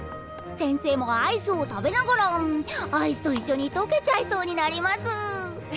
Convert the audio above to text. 先生もアイスを食べながらアイスと一緒にとけちゃいそうになります！